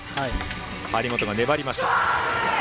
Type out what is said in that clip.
張本が粘りました。